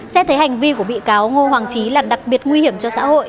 xét thấy hành vi của bị cáo ngô hoàng trí là đặc biệt nguy hiểm cho xã hội